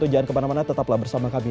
jangan kemana mana tetaplah bersama kami